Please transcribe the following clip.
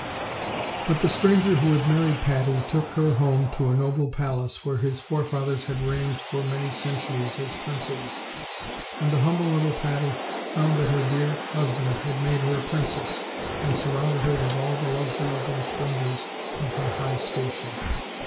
But the stranger who had married Patty took her home to a noble palace, where his forefathers had reigned fo7 many centuries as princes; and the humble little Patty found that her dear husband had made her a princess, and surrounded her with all the luxuries and splendors of her high station.